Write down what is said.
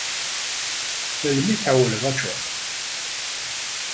Melmi i tɛewwleḍ ad teččeḍ?